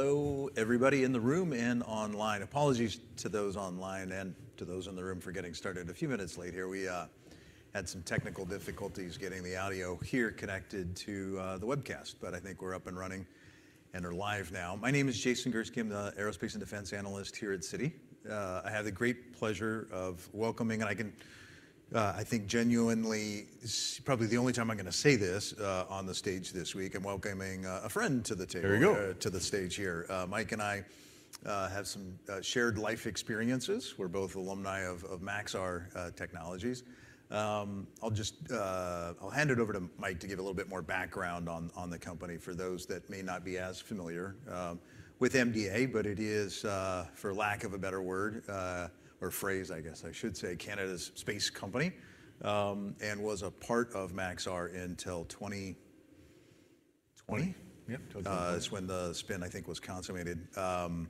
Hello everybody in the room and online. Apologies to those online and to those in the room for getting started a few minutes late here. We had some technical difficulties getting the audio here connected to the webcast, but I think we're up and running and are live now. My name is Jason Gursky, the Aerospace and Defense Analyst here at Citi. I have the great pleasure of welcoming, and I think genuinely probably the only time I'm going to say this on the stage this week, I'm welcoming a friend to the table. There you go. To the stage here. Mike and I have some shared life experiences. We're both alumni of Maxar Technologies. I'll hand it over to Mike to give a little bit more background on the company for those that may not be as familiar with MDA, but it is, for lack of a better word or phrase, I guess I should say, Canada's space company and was a part of Maxar until 2020. Yep, 2020. That's when the spin, I think, was consummated. And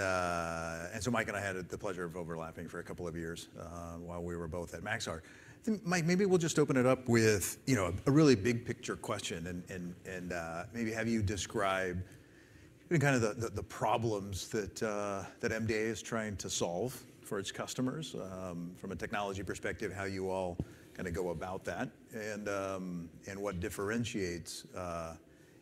so Mike and I had the pleasure of overlapping for a couple of years while we were both at Maxar. Mike, maybe we'll just open it up with a really big picture question, and maybe have you describe kind of the problems that MDA is trying to solve for its customers from a technology perspective, how you all kind of go about that, and what differentiates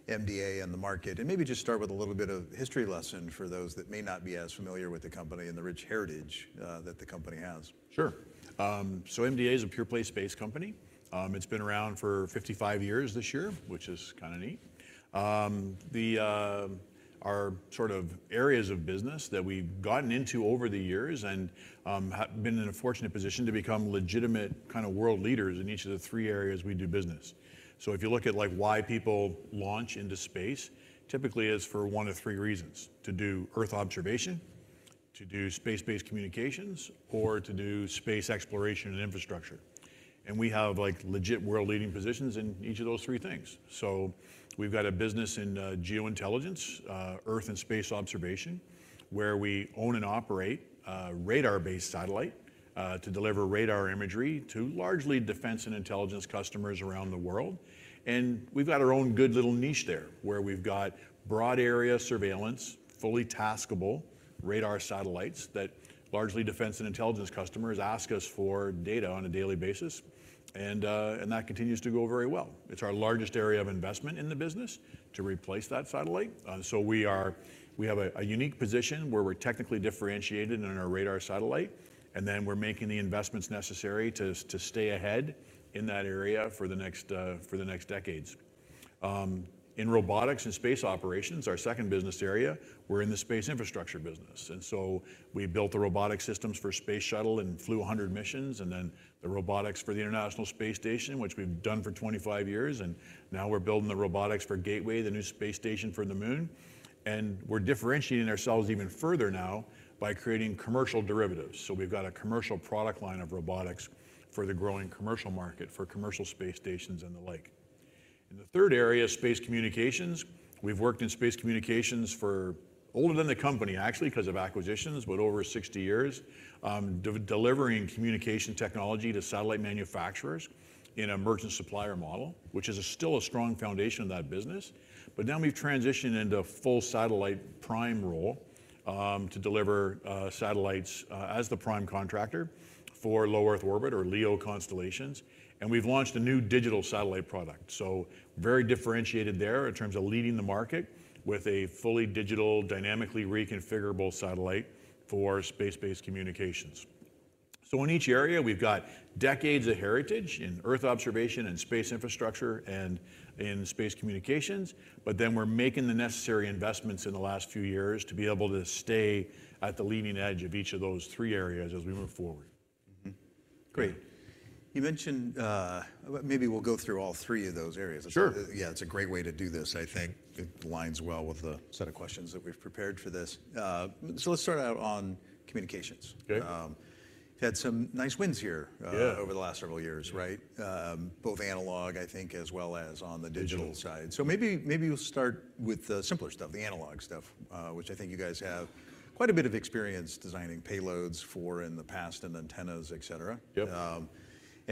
MDA in the market. And maybe just start with a little bit of history lesson for those that may not be as familiar with the company and the rich heritage that the company has. Sure. So MDA is a pure-play space company. It's been around for 55 years this year, which is kind of neat. Our sort of areas of business that we've gotten into over the years and have been in a fortunate position to become legitimate kind of world leaders in each of the three areas we do business. So if you look at why people launch into space, typically it's for one of three reasons: to do Earth observation, to do space-based communications, or to do space exploration and infrastructure. And we have legit world-leading positions in each of those three things. So we've got a business in geo-intelligence, Earth and space observation, where we own and operate a radar-based satellite to deliver radar imagery to largely defense and intelligence customers around the world. We've got our own good little niche there where we've got broad-area surveillance, fully taskable radar satellites that largely defense and intelligence customers ask us for data on a daily basis, and that continues to go very well. It's our largest area of investment in the business to replace that satellite. So we have a unique position where we're technically differentiated in our radar satellite, and then we're making the investments necessary to stay ahead in that area for the next decades. In robotics and space operations, our second business area, we're in the space infrastructure business. And so we built the robotic systems for Space Shuttle and flew 100 missions, and then the robotics for the International Space Station, which we've done for 25 years. And now we're building the robotics for Gateway, the new space station for the Moon. We're differentiating ourselves even further now by creating commercial derivatives. We've got a commercial product line of robotics for the growing commercial market for commercial space stations and the like. In the third area, space communications, we've worked in space communications for older than the company, actually, because of acquisitions, but over 60 years, delivering communication technology to satellite manufacturers in a merchant-supplier model, which is still a strong foundation of that business. But now we've transitioned into a full satellite prime role to deliver satellites as the prime contractor for low Earth orbit or LEO constellations. We've launched a new digital satellite product. Very differentiated there in terms of leading the market with a fully digital, dynamically reconfigurable satellite for space-based communications. In each area, we've got decades of heritage in Earth observation and space infrastructure and in space communications. But then we're making the necessary investments in the last few years to be able to stay at the leading edge of each of those three areas as we move forward. Great. You mentioned maybe we'll go through all three of those areas. Sure. Yeah, it's a great way to do this, I think. It lines well with the set of questions that we've prepared for this. So let's start out on communications. Okay. We've had some nice wins here over the last several years, right? Both analog, I think, as well as on the digital side. So maybe we'll start with the simpler stuff, the analog stuff, which I think you guys have quite a bit of experience designing payloads for in the past and antennas, et cetera. Yep.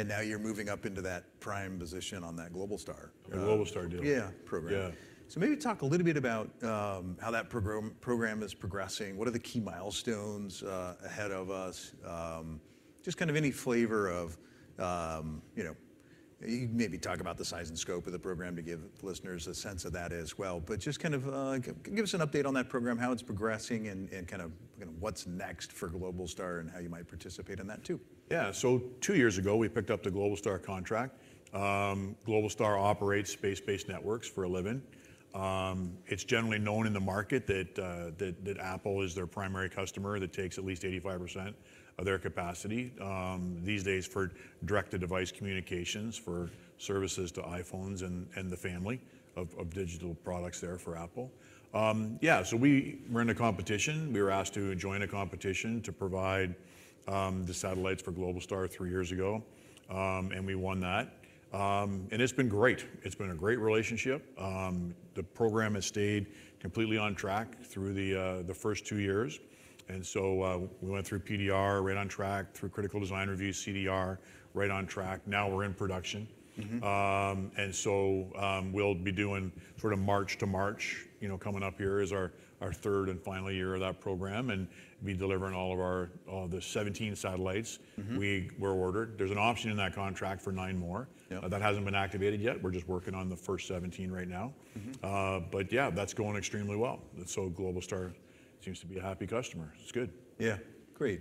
Now you're moving up into that prime position on that Globalstar. The Globalstar deal. Yeah, program. Yeah. So maybe talk a little bit about how that program is progressing. What are the key milestones ahead of us? Just kind of any flavor of maybe talk about the size and scope of the program to give listeners a sense of that as well. But just kind of give us an update on that program, how it's progressing, and kind of what's next for Globalstar and how you might participate in that too. Yeah. So two years ago, we picked up the Globalstar contract. Globalstar operates space-based networks for a living. It's generally known in the market that Apple is their primary customer that takes at least 85% of their capacity these days for direct-to-device communications for services to iPhones and the family of digital products there for Apple. Yeah, so we were in a competition. We were asked to join a competition to provide the satellites for Globalstar three years ago, and we won that. And it's been great. It's been a great relationship. The program has stayed completely on track through the first two years. And so we went through PDR, right on track, through critical design review, CDR, right on track. Now we're in production. And so we'll be doing sort of March to March. Coming up here is our third and final year of that program, and we'll be delivering all of the 17 satellites we were ordered. There's an option in that contract for nine more. That hasn't been activated yet. We're just working on the first 17 right now. But yeah, that's going extremely well. And so Globalstar seems to be a happy customer. It's good. Yeah, great.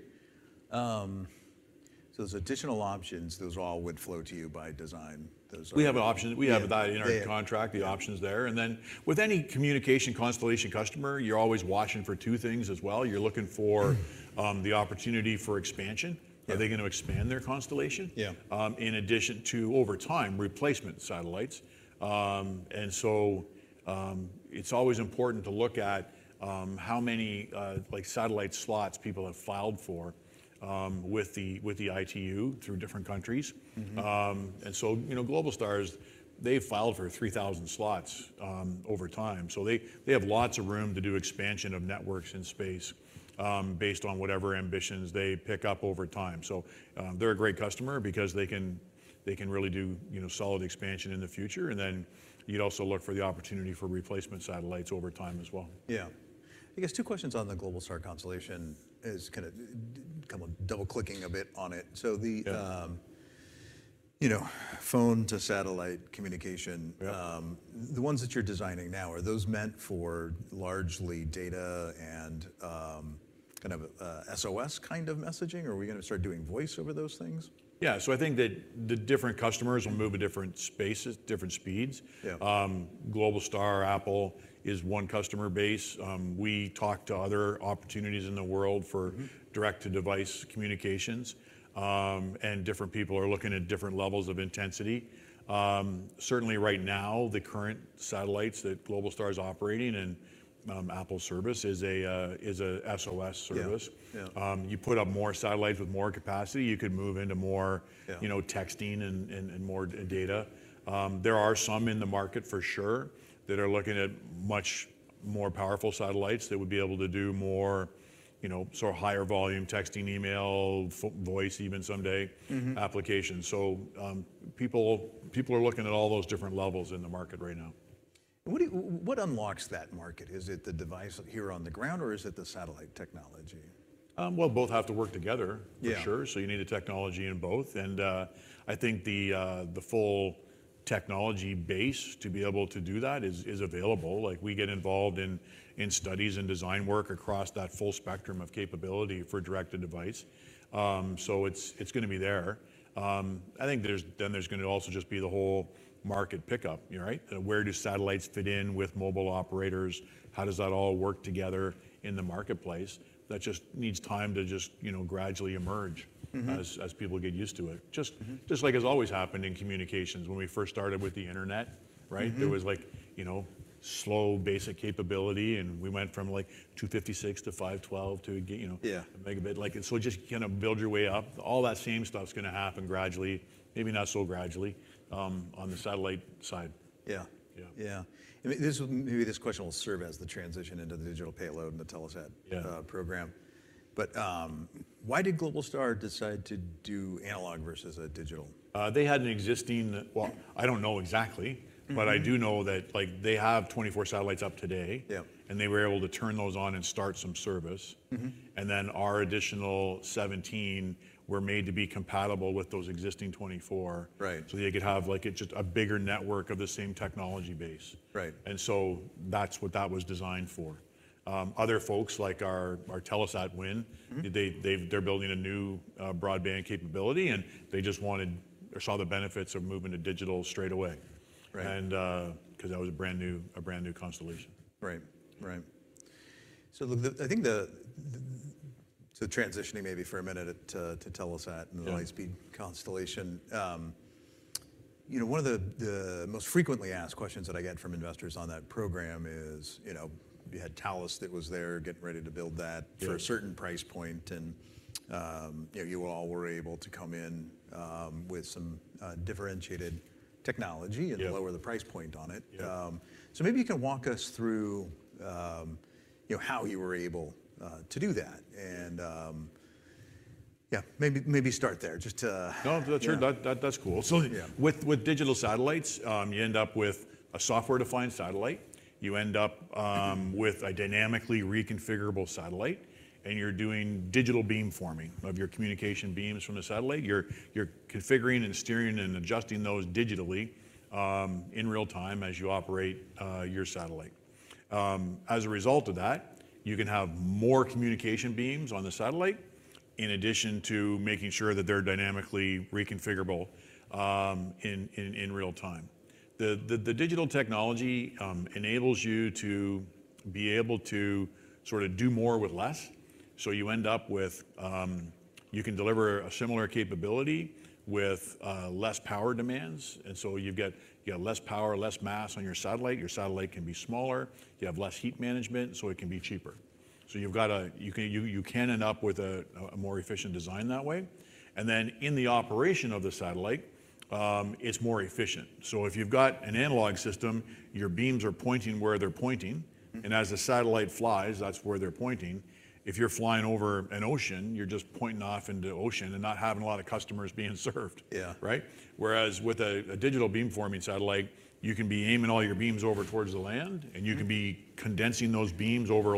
So those additional options, those all would flow to you by design. We have options. We have that in our contract, the options there. And then with any communication constellation customer, you're always watching for two things as well. You're looking for the opportunity for expansion. Are they going to expand their constellation? Yeah. In addition to, over time, replacement satellites. So it's always important to look at how many satellite slots people have filed for with the ITU through different countries. So Globalstar, they've filed for 3,000 slots over time. They have lots of room to do expansion of networks in space based on whatever ambitions they pick up over time. They're a great customer because they can really do solid expansion in the future. You'd also look for the opportunity for replacement satellites over time as well. Yeah. I guess two questions on the Globalstar constellation is kind of double-clicking a bit on it. So the phone-to-satellite communication, the ones that you're designing now, are those meant for largely data and kind of SOS kind of messaging, or are we going to start doing voice over those things? Yeah. So I think that the different customers will move in different spaces, different speeds. Globalstar, Apple, is one customer base. We talk to other opportunities in the world for direct-to-device communications, and different people are looking at different levels of intensity. Certainly right now, the current satellites that Globalstar is operating and Apple's service is an SOS service. You put up more satellites with more capacity, you could move into more texting and more data. There are some in the market for sure that are looking at much more powerful satellites that would be able to do more sort of higher volume texting, email, voice even someday applications. So people are looking at all those different levels in the market right now. What unlocks that market? Is it the device here on the ground, or is it the satellite technology? Well, both have to work together for sure. So you need the technology in both. And I think the full technology base to be able to do that is available. We get involved in studies and design work across that full spectrum of capability for direct-to-device. So it's going to be there. I think then there's going to also just be the whole market pickup, right? Where do satellites fit in with mobile operators? How does that all work together in the marketplace? That just needs time to just gradually emerge as people get used to it. Just like has always happened in communications. When we first started with the internet, right, there was slow basic capability, and we went from 256 to 512 to a megabit. So just kind of build your way up. All that same stuff's going to happen gradually, maybe not so gradually, on the satellite side. Yeah. Yeah. Maybe this question will serve as the transition into the digital payload and the Telesat program. But why did Globalstar decide to do analog versus a digital? They had an existing fleet, well, I don't know exactly, but I do know that they have 24 satellites up today, and they were able to turn those on and start some service. Then our additional 17 were made to be compatible with those existing 24 so they could have just a bigger network of the same technology base. So that's what that was designed for. Other folks, like our Telesat win, they're building a new broadband capability, and they just wanted or saw the benefits of moving to digital straight away because that was a brand new constellation. Right. Right. So I think, transitioning maybe for a minute to Telesat and the high-speed constellation, one of the most frequently asked questions that I get from investors on that program is you had Thales that was there getting ready to build that for a certain price point, and you all were able to come in with some differentiated technology and lower the price point on it. So maybe you can walk us through how you were able to do that. And yeah, maybe start there. Just to. No, that's cool. So with digital satellites, you end up with a software-defined satellite. You end up with a dynamically reconfigurable satellite, and you're doing digital beamforming of your communication beams from the satellite. You're configuring and steering and adjusting those digitally in real time as you operate your satellite. As a result of that, you can have more communication beams on the satellite in addition to making sure that they're dynamically reconfigurable in real time. The digital technology enables you to be able to sort of do more with less. So you end up with you can deliver a similar capability with less power demands. And so you've got less power, less mass on your satellite. Your satellite can be smaller. You have less heat management, so it can be cheaper. So you can end up with a more efficient design that way. In the operation of the satellite, it's more efficient. So if you've got an analog system, your beams are pointing where they're pointing. And as the satellite flies, that's where they're pointing. If you're flying over an ocean, you're just pointing off into the ocean and not having a lot of customers being served, right? Whereas with a digital beamforming satellite, you can be aiming all your beams over towards the land, and you can be condensing those beams over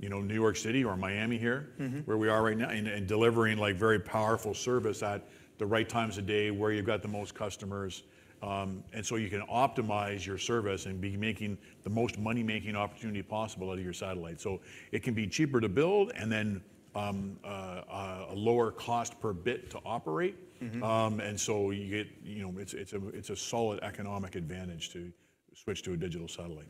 New York City or Miami here, where we are right now, and delivering very powerful service at the right times of day where you've got the most customers. And so you can optimize your service and be making the most money-making opportunity possible out of your satellite. So it can be cheaper to build and then a lower cost per bit to operate. It's a solid economic advantage to switch to a digital satellite.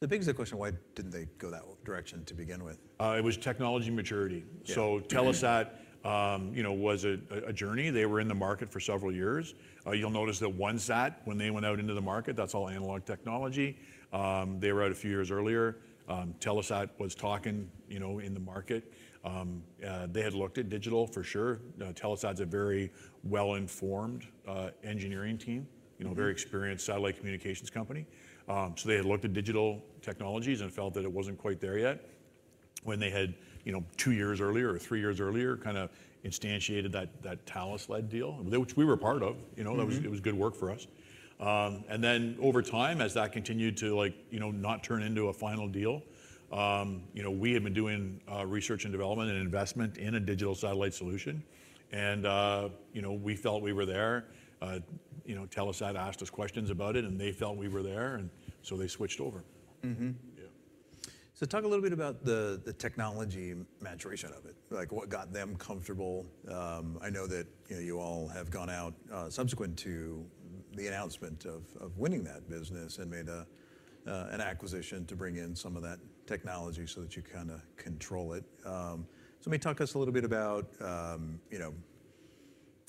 The biggest question, why didn't they go that direction to begin with? It was technology maturity. So Telesat was a journey. They were in the market for several years. You'll notice that OneSat, when they went out into the market, that's all analog technology. They were out a few years earlier. Telesat was talking in the market. They had looked at digital for sure. Telesat's a very well-informed engineering team, very experienced satellite communications company. So they had looked at digital technologies and felt that it wasn't quite there yet when they had, two years earlier or three years earlier, kind of instantiated that Thales-led deal, which we were a part of. It was good work for us. And then over time, as that continued to not turn into a final deal, we had been doing research and development and investment in a digital satellite solution. And we felt we were there. Telesat asked us questions about it, and they felt we were there, and so they switched over. So talk a little bit about the technology maturation of it, what got them comfortable. I know that you all have gone out subsequent to the announcement of winning that business and made an acquisition to bring in some of that technology so that you kind of control it. So maybe talk to us a little bit about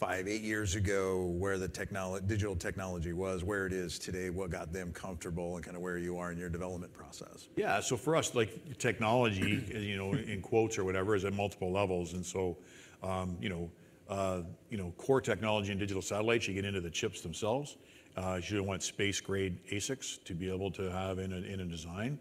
5-8 years ago, where the digital technology was, where it is today, what got them comfortable, and kind of where you are in your development process. Yeah. So for us, technology, in quotes or whatever, is at multiple levels. So core technology in digital satellites, you get into the chips themselves. You should have went space-grade ASICs to be able to have in a design.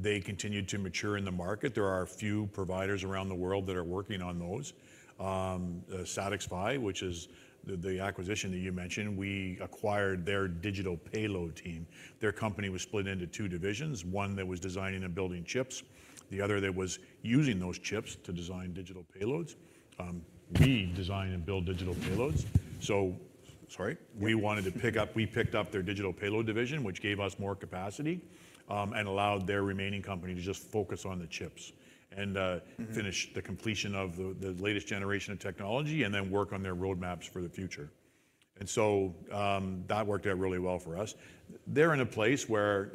They continued to mature in the market. There are a few providers around the world that are working on those. SatixFy, which is the acquisition that you mentioned, we acquired their digital payload team. Their company was split into two divisions. One that was designing and building chips. The other that was using those chips to design digital payloads. We design and build digital payloads. So sorry. We picked up their digital payload division, which gave us more capacity and allowed their remaining company to just focus on the chips and finish the completion of the latest generation of technology and then work on their roadmaps for the future. That worked out really well for us. They're in a place where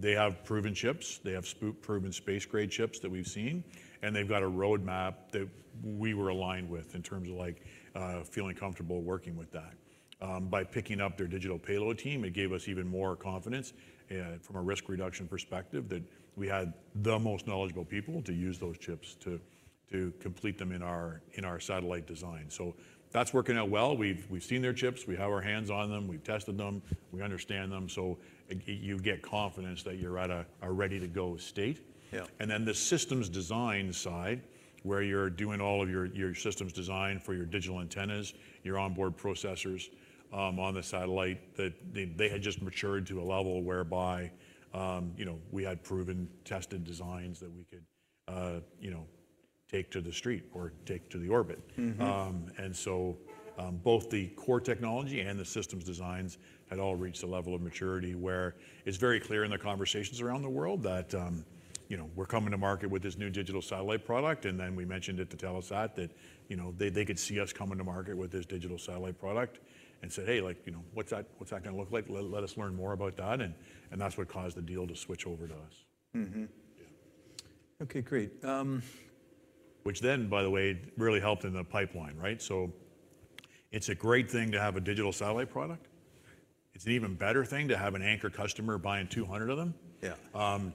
they have proven chips. They have space-proven space-grade chips that we've seen, and they've got a roadmap that we were aligned with in terms of feeling comfortable working with that. By picking up their digital payload team, it gave us even more confidence from a risk reduction perspective that we had the most knowledgeable people to use those chips to complete them in our satellite design. That's working out well. We've seen their chips. We have our hands on them. We've tested them. We understand them. You get confidence that you're at a ready-to-go state. Then the systems design side, where you're doing all of your systems design for your digital antennas, your onboard processors on the satellite, that they had just matured to a level whereby we had proven, tested designs that we could take to the street or take to the orbit. And so both the core technology and the systems designs had all reached a level of maturity where it's very clear in the conversations around the world that we're coming to market with this new digital satellite product. And then we mentioned it to Telesat that they could see us coming to market with this digital satellite product and said, "Hey, what's that going to look like? Let us learn more about that." And that's what caused the deal to switch over to us. OK, great. Which then, by the way, really helped in the pipeline, right? So it's a great thing to have a digital satellite product. It's an even better thing to have an anchor customer buying 200 of them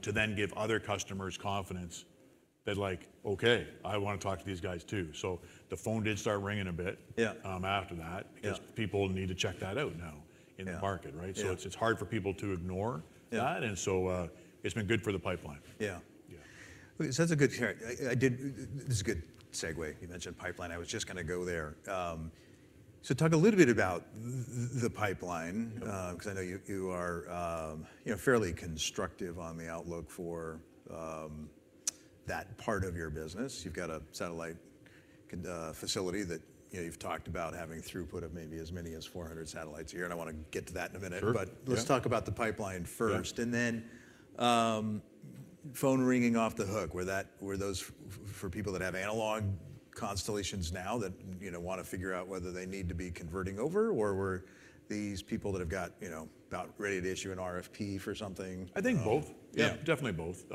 to then give other customers confidence that, "OK, I want to talk to these guys too." So the phone did start ringing a bit after that because people need to check that out now in the market, right? So it's been good for the pipeline. Yeah. So this is a good segue. You mentioned pipeline. I was just going to go there. So talk a little bit about the pipeline because I know you are fairly constructive on the outlook for that part of your business. You've got a satellite facility that you've talked about having throughput of maybe as many as 400 satellites a year. And I want to get to that in a minute. But let's talk about the pipeline first and then phone ringing off the hook. Were those for people that have analog constellations now that want to figure out whether they need to be converting over, or were these people that have got about ready to issue an RFP for something? I think both. Yeah, definitely both.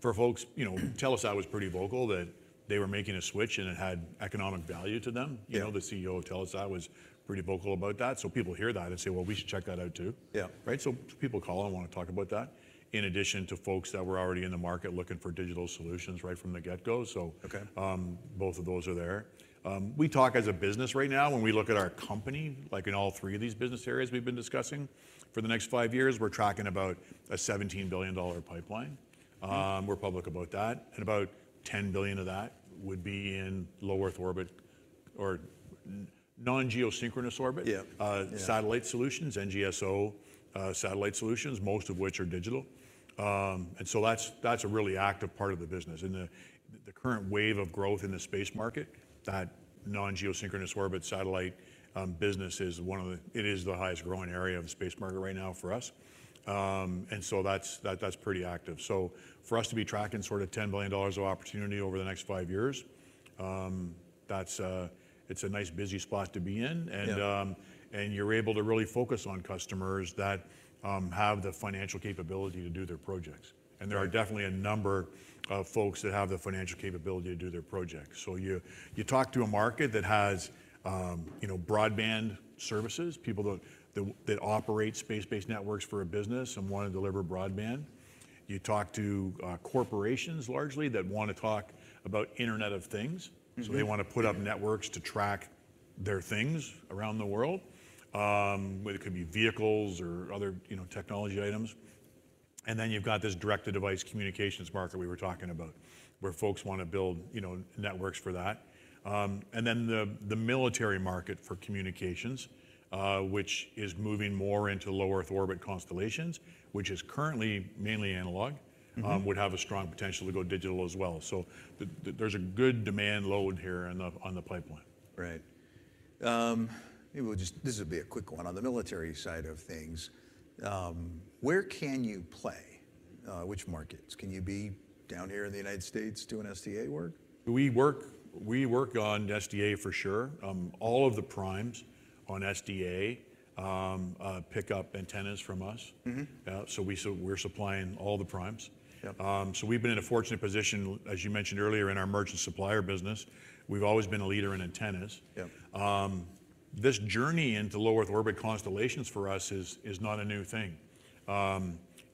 For folks, Telesat was pretty vocal that they were making a switch, and it had economic value to them. The CEO of Telesat was pretty vocal about that. So people hear that and say, "Well, we should check that out too," right? So people call and want to talk about that in addition to folks that were already in the market looking for digital solutions right from the get-go. So both of those are there. We talk as a business right now. When we look at our company, in all three of these business areas we've been discussing for the next five years, we're tracking about a $17 billion pipeline. We're public about that. And about $10 billion of that would be in low Earth orbit or non-geosynchronous orbit satellite solutions, NGSO satellite solutions, most of which are digital. And so that's a really active part of the business. In the current wave of growth in the space market, that non-geostationary orbit satellite business is the highest growing area of the space market right now for us. And so that's pretty active. So for us to be tracking sort of $10 billion of opportunity over the next five years, it's a nice busy spot to be in. And you're able to really focus on customers that have the financial capability to do their projects. And there are definitely a number of folks that have the financial capability to do their projects. So you talk to a market that has broadband services, people that operate space-based networks for a business and want to deliver broadband. You talk to corporations largely that want to talk about Internet of Things. So they want to put up networks to track their things around the world, whether it could be vehicles or other technology items. And then you've got this direct-to-device communications market we were talking about where folks want to build networks for that. And then the military market for communications, which is moving more into low Earth orbit constellations, which is currently mainly analog, would have a strong potential to go digital as well. So there's a good demand load here on the pipeline. Right. Maybe this would be a quick one on the military side of things. Where can you play? Which markets? Can you be down here in the United States doing SDA work? We work on SDA for sure. All of the primes on SDA pick up antennas from us. So we're supplying all the primes. So we've been in a fortunate position, as you mentioned earlier, in our merchant supplier business. We've always been a leader in antennas. This journey into low Earth orbit constellations for us is not a new thing.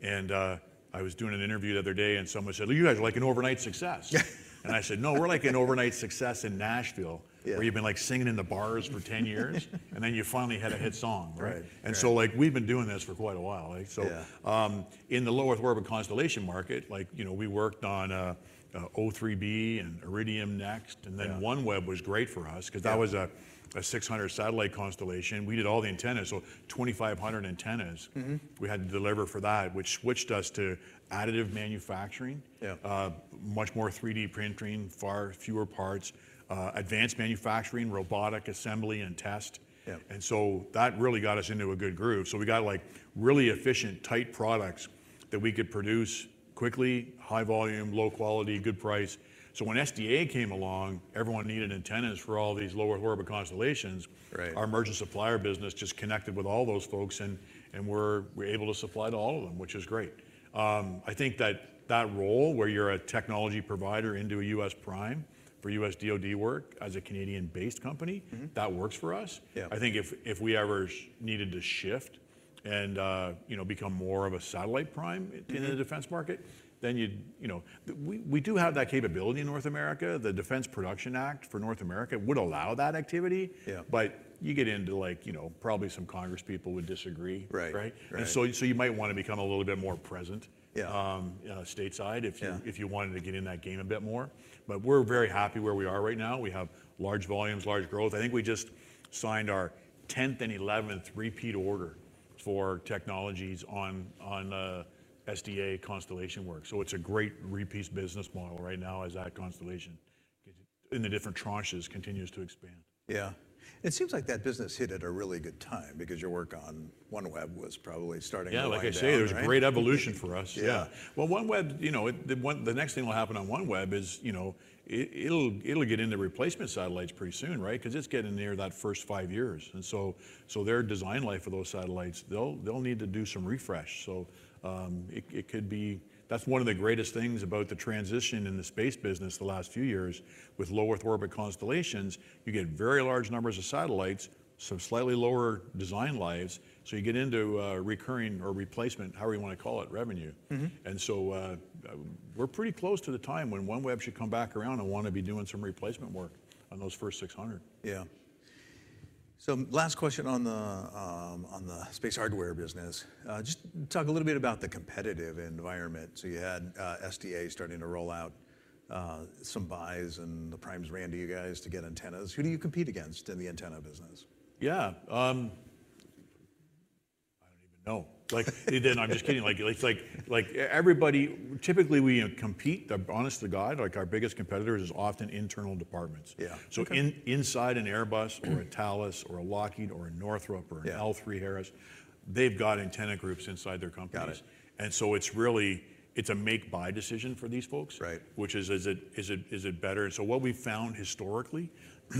And I was doing an interview the other day, and someone said, "You guys are like an overnight success." And I said, "No, we're like an overnight success in Nashville, where you've been singing in the bars for 10 years, and then you finally had a hit song," right? And so we've been doing this for quite a while. So in the low Earth orbit constellation market, we worked on O3b and Iridium NEXT. And then OneWeb was great for us because that was a 600-satellite constellation. We did all the antennas. So 2,500 antennas we had to deliver for that, which switched us to additive manufacturing, much more 3D printing, far fewer parts, advanced manufacturing, robotic assembly, and test. And so that really got us into a good groove. So we got really efficient, tight products that we could produce quickly, high volume, low quality, good price. So when SDA came along, everyone needed antennas for all these low Earth orbit constellations. Our merchant supplier business just connected with all those folks, and we're able to supply to all of them, which is great. I think that role, where you're a technology provider into a U.S. prime for U.S. DoD work as a Canadian-based company, that works for us. I think if we ever needed to shift and become more of a satellite prime in the defense market, then we do have that capability in North America. The Defense Production Act for North America would allow that activity. But you get into probably some Congress people would disagree, right? And so you might want to become a little bit more present stateside if you wanted to get in that game a bit more. But we're very happy where we are right now. We have large volumes, large growth. I think we just signed our 10th and 11th repeat order for technologies on SDA constellation work. So it's a great repeat business model right now as that constellation in the different tranches continues to expand. Yeah. It seems like that business hit at a really good time because your work on OneWeb was probably starting a lot earlier. Yeah, like I say, there was a great evolution for us. Yeah. Well, OneWeb, the next thing that will happen on OneWeb is it'll get into replacement satellites pretty soon, right? Because it's getting near that first five years. And so their design life for those satellites, they'll need to do some refresh. So it could be that's one of the greatest things about the transition in the space business the last few years. With low Earth orbit constellations, you get very large numbers of satellites, some slightly lower design lives. So you get into recurring or replacement, however you want to call it, revenue. And so we're pretty close to the time when OneWeb should come back around and want to be doing some replacement work on those first 600. Yeah. So last question on the space hardware business. Just talk a little bit about the competitive environment. So you had SDA starting to roll out some buys and the primes ran to you guys to get antennas. Who do you compete against in the antenna business? Yeah. I don't even know. I'm just kidding. Typically, we compete. Honest to God, our biggest competitors is often internal departments. So inside an Airbus or a Thales or a Lockheed or a Northrop or an L3Harris, they've got antenna groups inside their companies. And so it's a make-buy decision for these folks, which is, is it better? And so what we've found historically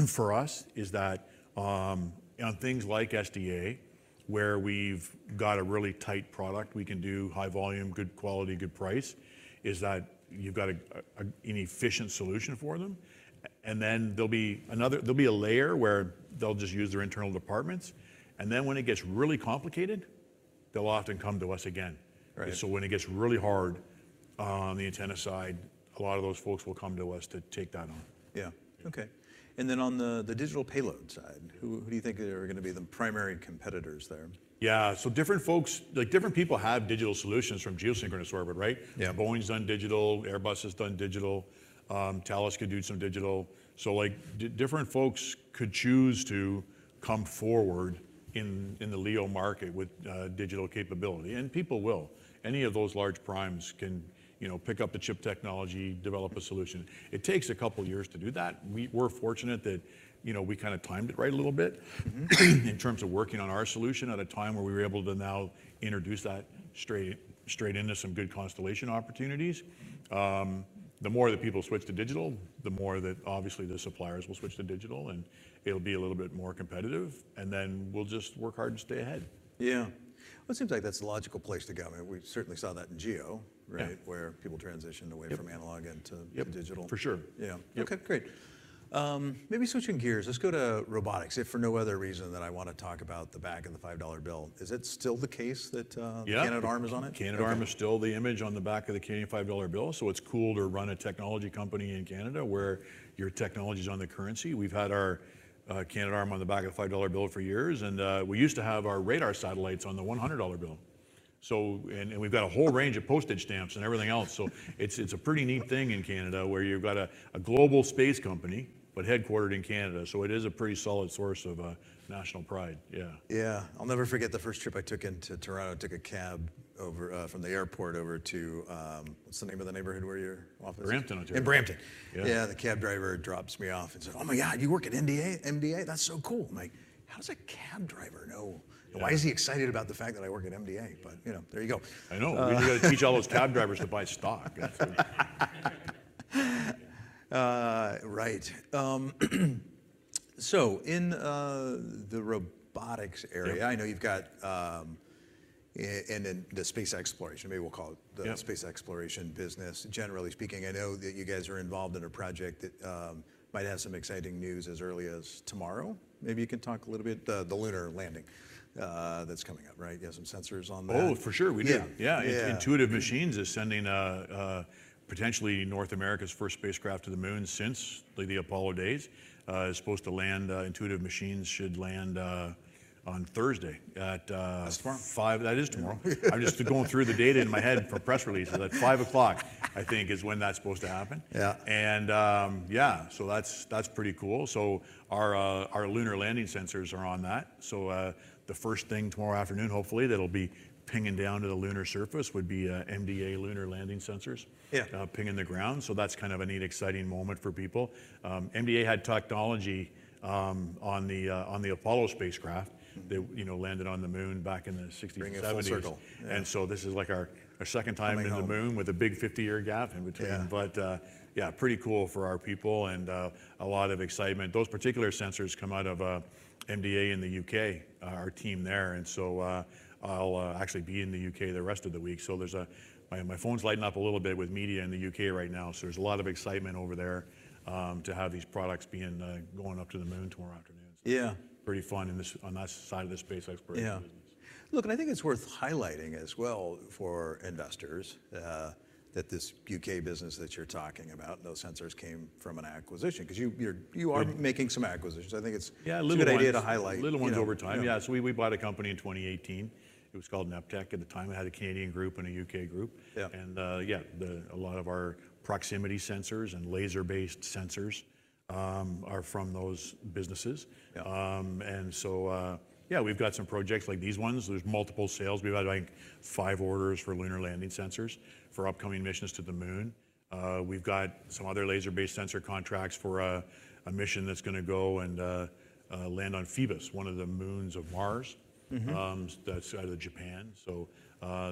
for us is that on things like SDA, where we've got a really tight product, we can do high volume, good quality, good price, is that you've got an efficient solution for them. And then there'll be a layer where they'll just use their internal departments. And then when it gets really complicated, they'll often come to us again. So when it gets really hard on the antenna side, a lot of those folks will come to us to take that on. Yeah. OK. And then on the digital payload side, who do you think are going to be the primary competitors there? Yeah. So different folks different people have digital solutions from geosynchronous orbit, right? Boeing's done digital. Airbus has done digital. Thales could do some digital. So different folks could choose to come forward in the LEO market with digital capability. And people will. Any of those large primes can pick up the chip technology, develop a solution. It takes a couple of years to do that. We're fortunate that we kind of timed it right a little bit in terms of working on our solution at a time where we were able to now introduce that straight into some good constellation opportunities. The more that people switch to digital, the more that obviously the suppliers will switch to digital. And it'll be a little bit more competitive. And then we'll just work hard and stay ahead. Yeah. Well, it seems like that's a logical place to go. I mean, we certainly saw that in geo, right, where people transitioned away from analog into digital. For sure. Yeah. OK, great. Maybe switching gears, let's go to robotics. If for no other reason than I want to talk about the back of the $5 bill, is it still the case that Canadarm is on it? Canadarm is still the image on the back of the Canadian 5 Canadian dollars bill. So it's cool to run a technology company in Canada where your technology is on the currency. We've had our Canadarm on the back of the 5 dollar bill for years. We used to have our radar satellites on the 100 dollar bill. We've got a whole range of postage stamps and everything else. So it's a pretty neat thing in Canada where you've got a global space company but headquartered in Canada. So it is a pretty solid source of national pride. Yeah. Yeah. I'll never forget the first trip I took into Toronto. I took a cab from the airport over to what's the name of the neighborhood where your office is? Brampton, I'm sorry. In Brampton. Yeah. The cab driver drops me off and says, "Oh my god, you work at MDA? That's so cool." I'm like, "How does a cab driver know? Why is he excited about the fact that I work at MDA?" But there you go. I know. We need to teach all those cab drivers to buy stock. Right. So in the robotics area, I know you've got and in the space exploration, maybe we'll call it the space exploration business, generally speaking, I know that you guys are involved in a project that might have some exciting news as early as tomorrow. Maybe you can talk a little bit the lunar landing that's coming up, right? You have some sensors on that. Oh, for sure. We do. Yeah. Intuitive Machines is sending potentially North America's first spacecraft to the Moon since the Apollo days. It's supposed to land. Intuitive Machines should land on Thursday at 5:00. That's tomorrow. That is tomorrow. I'm just going through the data in my head for press releases. At 5:00 P.M., I think, is when that's supposed to happen. And yeah, so that's pretty cool. So our lunar landing sensors are on that. So the first thing tomorrow afternoon, hopefully, that'll be pinging down to the lunar surface would be MDA lunar landing sensors pinging the ground. So that's kind of a neat, exciting moment for people. MDA had technology on the Apollo spacecraft that landed on the moon back in the 1960s, 1970s. And so this is like our second time in the moon with a big 50-year gap in between. But yeah, pretty cool for our people and a lot of excitement. Those particular sensors come out of MDA in the U.K., our team there. And so I'll actually be in the U.K. the rest of the week. So my phone's lighting up a little bit with media in the UK right now. So there's a lot of excitement over there to have these products going up to the moon tomorrow afternoon. Pretty fun on that side of the space exploration business. Yeah. Look, I think it's worth highlighting as well for investors that this U.K. business that you're talking about, those sensors came from an acquisition because you are making some acquisitions. I think it's a good idea to highlight. Little ones over time. Yeah. So we bought a company in 2018. It was called Neptec at the time. It had a Canadian group and a U.K. group. Yeah, a lot of our proximity sensors and laser-based sensors are from those businesses. So yeah, we've got some projects like these ones. There's multiple sales. We've had, I think, five orders for lunar landing sensors for upcoming missions to the moon. We've got some other laser-based sensor contracts for a mission that's going to go and land on Phobos, one of the moons of Mars. That's out of Japan. So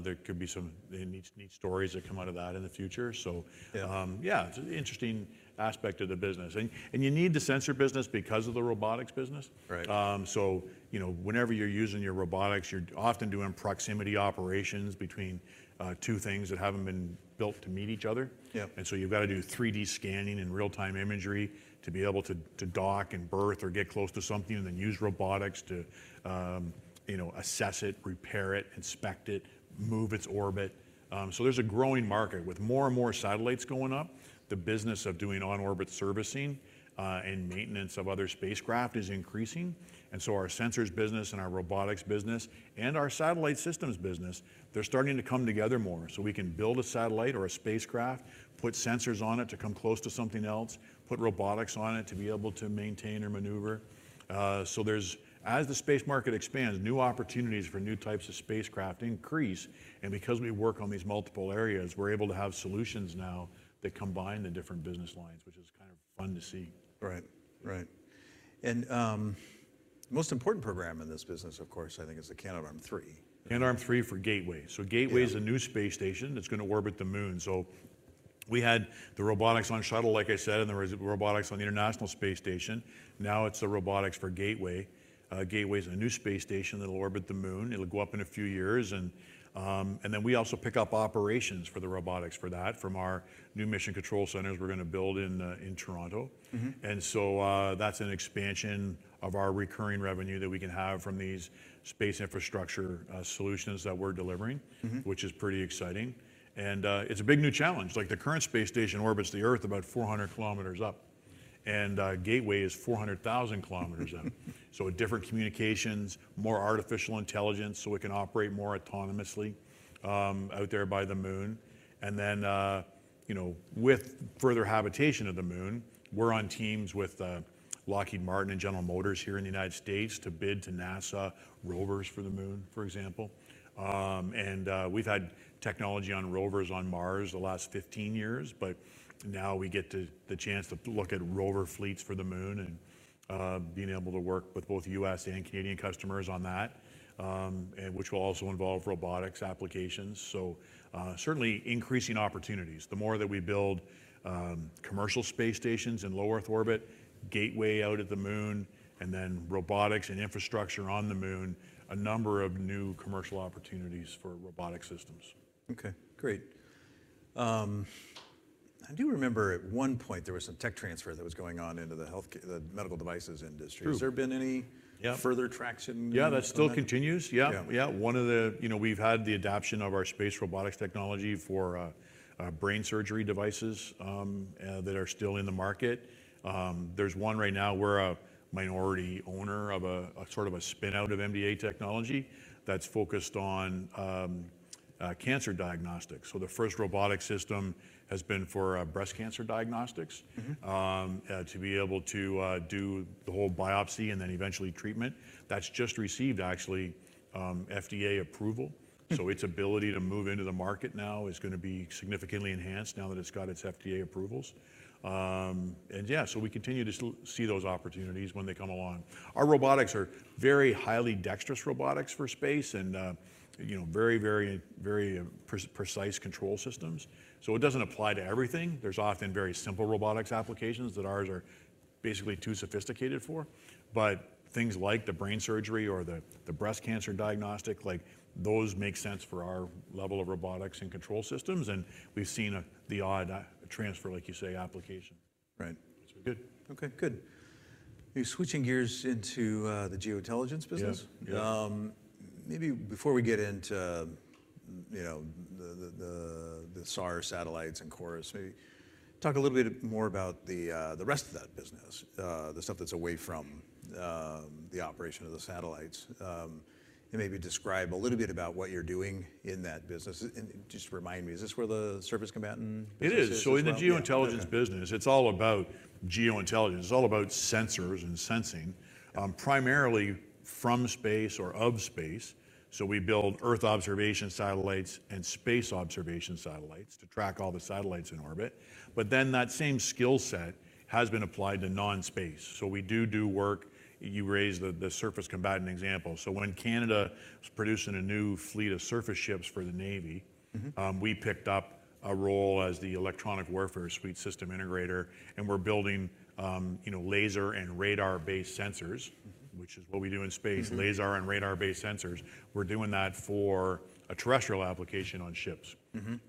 there could be some neat stories that come out of that in the future. So yeah, it's an interesting aspect of the business. You need the sensor business because of the robotics business. So whenever you're using your robotics, you're often doing proximity operations between two things that haven't been built to meet each other. And so you've got to do 3D scanning and real-time imagery to be able to dock and berth or get close to something and then use robotics to assess it, repair it, inspect it, move its orbit. So there's a growing market. With more and more satellites going up, the business of doing on-orbit servicing and maintenance of other spacecraft is increasing. And so our sensors business and our robotics business and our satellite systems business, they're starting to come together more so we can build a satellite or a spacecraft, put sensors on it to come close to something else, put robotics on it to be able to maintain or maneuver. So as the space market expands, new opportunities for new types of spacecraft increase. Because we work on these multiple areas, we're able to have solutions now that combine the different business lines, which is kind of fun to see. Right. Right. And the most important program in this business, of course, I think, is the Canadarm3. Canadarm3 for Gateway. So Gateway is a new space station that's going to orbit the moon. So we had the robotics on shuttle, like I said, and there was robotics on the International Space Station. Now it's the robotics for Gateway. Gateway is a new space station that'll orbit the moon. It'll go up in a few years. And then we also pick up operations for the robotics for that from our new mission control centers we're going to build in Toronto. And so that's an expansion of our recurring revenue that we can have from these space infrastructure solutions that we're delivering, which is pretty exciting. And it's a big new challenge. The current space station orbits the Earth about 400 km up. And Gateway is 400,000 km up. So different communications, more artificial intelligence so we can operate more autonomously out there by the moon. Then with further habitation of the moon, we're on teams with Lockheed Martin and General Motors here in the United States to bid to NASA rovers for the moon, for example. We've had technology on rovers on Mars the last 15 years. Now we get the chance to look at rover fleets for the moon and being able to work with both U.S. and Canadian customers on that, which will also involve robotics applications. Certainly increasing opportunities. The more that we build commercial space stations in low Earth orbit, Gateway out at the moon, and then robotics and infrastructure on the moon, a number of new commercial opportunities for robotic systems. Okay, great. I do remember at one point there was some tech transfer that was going on into the medical devices industry. Has there been any further traction? Yeah, that still continues. Yeah. Yeah. We've had the adoption of our space robotics technology for brain surgery devices that are still in the market. There's one right now. We're a minority owner of sort of a spin-out of MDA technology that's focused on cancer diagnostics. So the first robotic system has been for breast cancer diagnostics to be able to do the whole biopsy and then eventually treatment. That's just received, actually, FDA approval. So its ability to move into the market now is going to be significantly enhanced now that it's got its FDA approvals. And yeah, so we continue to see those opportunities when they come along. Our robotics are very highly dexterous robotics for space and very, very, very precise control systems. So it doesn't apply to everything. There's often very simple robotics applications that ours are basically too sophisticated for. Things like the brain surgery or the breast cancer diagnostic, those make sense for our level of robotics and control systems. We've seen the odd transfer, like you say, application. Right. That's good. OK, good. Switching gears into the Geointelligence business. Maybe before we get into the SAR satellites and CHORUS, maybe talk a little bit more about the rest of that business, the stuff that's away from the operation of the satellites. And maybe describe a little bit about what you're doing in that business. And just remind me, is this where the surface combatant business starts? It is. So in the Geointelligence business, it's all about geointelligence. It's all about sensors and sensing, primarily from space or of space. So we build Earth observation satellites and space observation satellites to track all the satellites in orbit. But then that same skill set has been applied to non-space. So we do do work you raised the surface combatant example. So when Canada was producing a new fleet of surface ships for the Navy, we picked up a role as the electronic warfare suite system integrator. And we're building laser and radar-based sensors, which is what we do in space, laser and radar-based sensors. We're doing that for a terrestrial application on ships.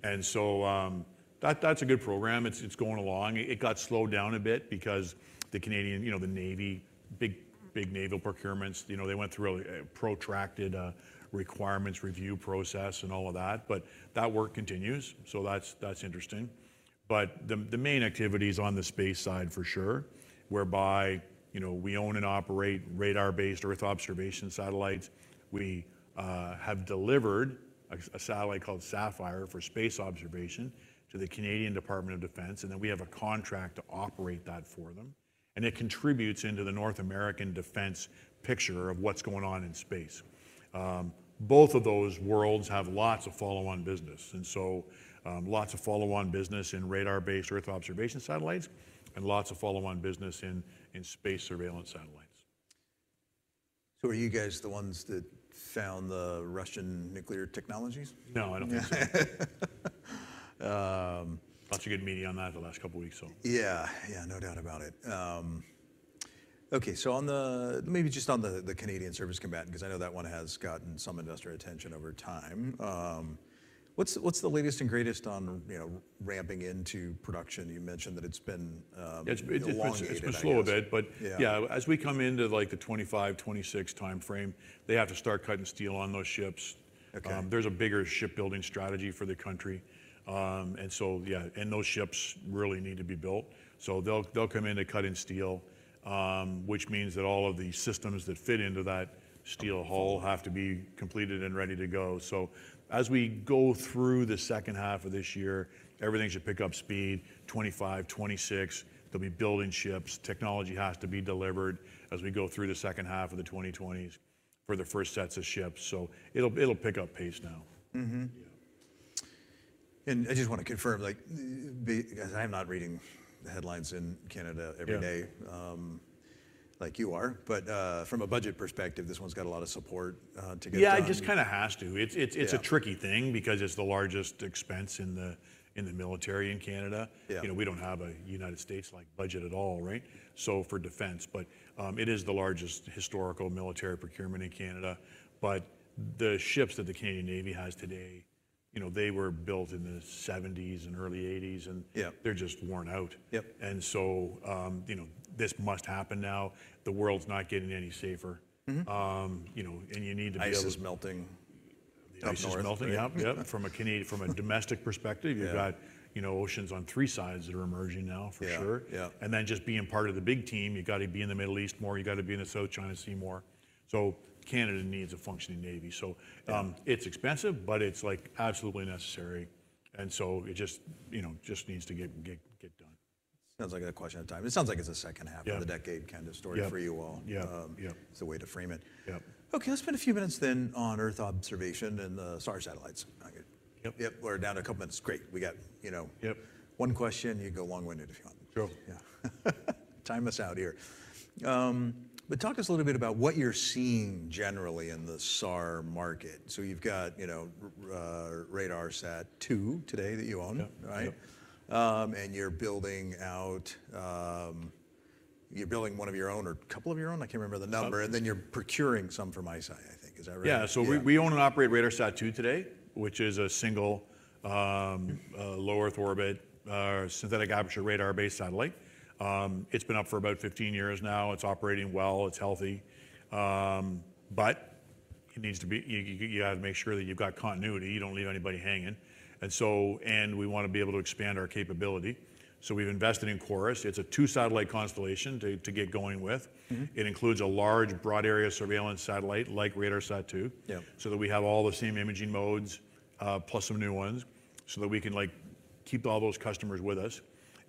And so that's a good program. It's going along. It got slowed down a bit because the Canadian Navy, big naval procurements, they went through a protracted requirements review process and all of that. But that work continues. So that's interesting. But the main activity is on the space side, for sure, whereby we own and operate radar-based Earth observation satellites. We have delivered a satellite called Sapphire for space observation to the Canadian Department of Defence. And then we have a contract to operate that for them. And it contributes into the North American defense picture of what's going on in space. Both of those worlds have lots of follow-on business, and so lots of follow-on business in radar-based Earth observation satellites and lots of follow-on business in space surveillance satellites. So, are you guys the ones that found the Russian nuclear technologies? No, I don't think so. Lots of good media on that the last couple of weeks, so. Yeah. Yeah, no doubt about it. Okay, so maybe just on the Canadian Surface Combatant because I know that one has gotten some investor attention over time. What's the latest and greatest on ramping into production? You mentioned that it's been a long time. It's been slow a bit. But yeah, as we come into the 2025, 2026 time frame, they have to start cutting steel on those ships. There's a bigger shipbuilding strategy for the country. And so yeah, those ships really need to be built. So they'll come in to cut in steel, which means that all of the systems that fit into that steel hull have to be completed and ready to go. So as we go through the second half of this year, everything should pick up speed. 2025, 2026, they'll be building ships. Technology has to be delivered as we go through the second half of the 2020s for the first sets of ships. So it'll pick up pace now. I just want to confirm, because I am not reading the headlines in Canada every day like you are, but from a budget perspective, this one's got a lot of support to get done. Yeah, it just kind of has to. It's a tricky thing because it's the largest expense in the military in Canada. We don't have a United States-like budget at all, right, for defense. But it is the largest historical military procurement in Canada. But the ships that the Canadian Navy has today, they were built in the 1970s and early 1980s. And they're just worn out. And so this must happen now. The world's not getting any safer. And you need to be able to. Ice is melting. Ice is melting. Yeah. From a domestic perspective, you've got oceans on three sides that are emerging now, for sure. And then just being part of the big team, you've got to be in the Middle East more. You've got to be in the South China Sea more. So Canada needs a functioning navy. So it's expensive, but it's absolutely necessary. And so it just needs to get done. Sounds like a question of time. It sounds like it's a second half of the decade kind of story for you all as a way to frame it. OK, let's spend a few minutes then on Earth observation and the SAR satellites. We're down to a couple of minutes. Great. We got one question. You can go long-winded if you want. Sure. Yeah. Time us out here. But talk us a little bit about what you're seeing generally in the SAR market. So you've got RADARSAT-2 today that you own, right? And you're building out one of your own or a couple of your own. I can't remember the number. And then you're procuring some from ICEYE, I think. Is that right? Yeah. So we own and operate RADARSAT-2 today, which is a single low Earth orbit synthetic aperture radar-based satellite. It's been up for about 15 years now. It's operating well. It's healthy. But it needs to be you have to make sure that you've got continuity. You don't leave anybody hanging. And we want to be able to expand our capability. So we've invested in CHORUS. It's a two satellite constellation to get going with. It includes a large, broad-area surveillance satellite like RADARSAT-2 so that we have all the same imaging modes plus some new ones so that we can keep all those customers with us.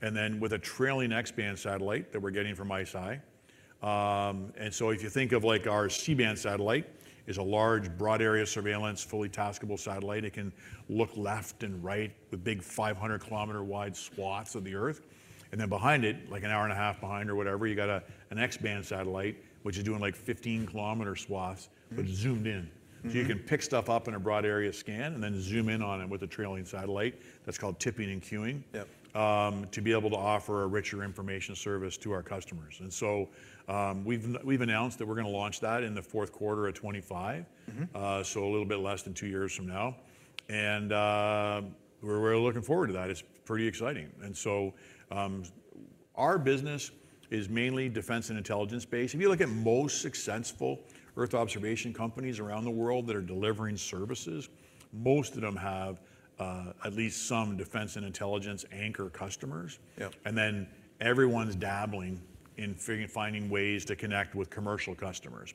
And then with a trailing X-band satellite that we're getting from ICEYE. And so if you think of our C-band satellite, it's a large, broad-area surveillance, fully taskable satellite. It can look left and right with big 500 km-wide swaths of the Earth. And then behind it, like an hour and a half behind or whatever, you've got an X-band satellite, which is doing like 15 km swaths but zoomed in. So you can pick stuff up in a broad-area scan and then zoom in on it with a trailing satellite. That's called tipping and cueing to be able to offer a richer information service to our customers. And so we've announced that we're going to launch that in the fourth quarter of 2025, so a little bit less than two years from now. And we're looking forward to that. It's pretty exciting. And so our business is mainly defense and intelligence-based. If you look at most successful Earth observation companies around the world that are delivering services, most of them have at least some defense and intelligence anchor customers. And then everyone's dabbling in finding ways to connect with commercial customers.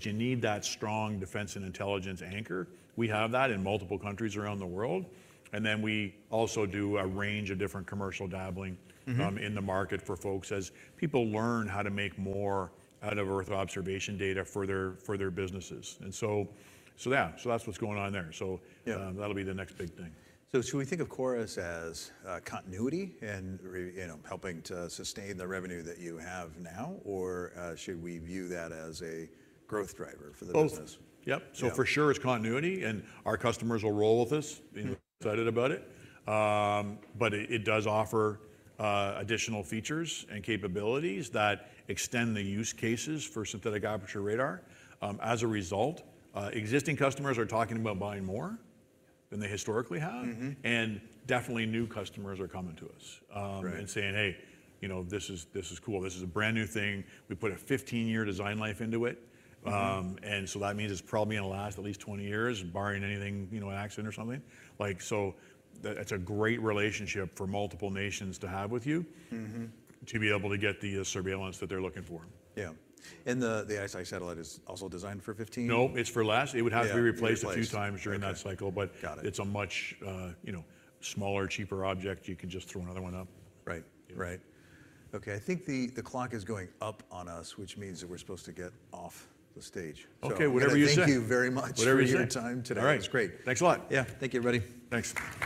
You need that strong defense and intelligence anchor. We have that in multiple countries around the world. Then we also do a range of different commercial dabbling in the market for folks as people learn how to make more out of Earth observation data for their businesses. So yeah, so that's what's going on there. That'll be the next big thing. So should we think of CHORUS as continuity in helping to sustain the revenue that you have now, or should we view that as a growth driver for the business? Both. Yep. So for sure, it's continuity. And our customers will roll with us. They're excited about it. But it does offer additional features and capabilities that extend the use cases for synthetic aperture radar. As a result, existing customers are talking about buying more than they historically have. And definitely, new customers are coming to us and saying, hey, this is cool. This is a brand new thing. We put a 15-year design life into it. And so that means it's probably going to last at least 20 years, barring anything accident or something. So that's a great relationship for multiple nations to have with you to be able to get the surveillance that they're looking for. Yeah. The ICEYE satellite is also designed for 2015? No, it's for last. It would have to be replaced a few times during that cycle. But it's a much smaller, cheaper object. You can just throw another one up. Right. Right. OK, I think the clock is going up on us, which means that we're supposed to get off the stage. OK, whatever you say. Thank you very much for your time today. It was great. All right. Thanks a lot. Yeah. Thank you, everybody. Thanks.